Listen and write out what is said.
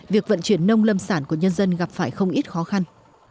việc vận chuyển nông lâm sản của nhân dân gặp phải không ít khó khăn